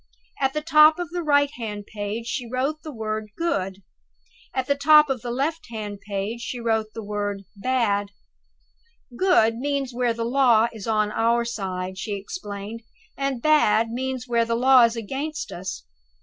At the top of the right hand page she wrote the word Good. At the top of the left hand page she wrote the word Bad. "'Good' means where the law is on our side," she explained; "and 'Bad' means where the law is against us.